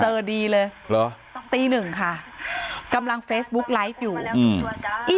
ดีเลยเหรอตีหนึ่งค่ะกำลังเฟซบุ๊กไลฟ์อยู่อืมอีก